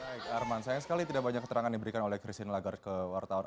baik arman sayang sekali tidak banyak keterangan diberikan oleh christine lagarde ke wartawan